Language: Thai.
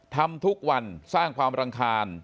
ทำทุกวันสร้างความรำคาญ